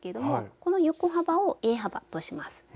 この横幅をＡ幅とします。